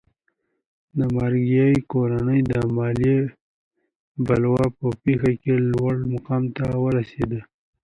د مارګای کورنۍ د مالیې بلوا په پېښه کې لوړ مقام ته ورسېده.